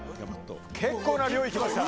結構な量いきました。